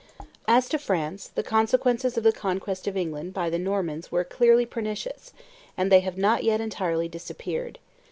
As to France, the consequences of the conquest of England by the Normans were clearly pernicious, and they have not yet entirely disappeared.